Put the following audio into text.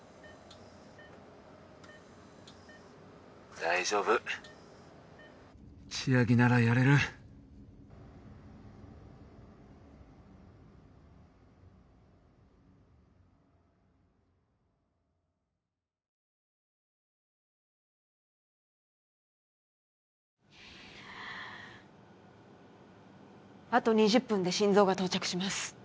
大丈夫千晶ならやれるあと２０分で心臓が到着します